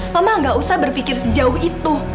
mama gak usah berpikir sejauh itu